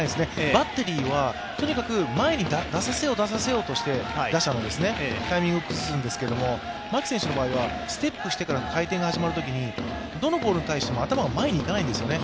バッテリーはとにかく前に出させよう、出させようとして打者のタイミングを崩すんですけれども、牧選手の場合、ステップしてから回転が始まるときにどのボールに対しても頭が前にいかないんですよね。